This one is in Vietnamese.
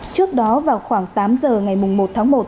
trước đó vào khoảng tám giờ ngày một tháng một